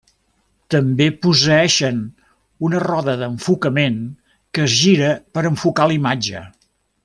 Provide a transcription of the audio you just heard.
També posseeixen una roda d'enfocament que es gira per enfocar la imatge.